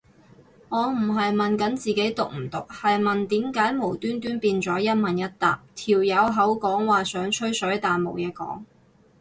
我唔係問緊自己毒唔毒，係問點解無端端變咗一問一答，條友口講話想吹水但冇嘢講